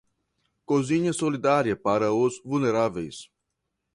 Cozinha solidária para os vulneráveis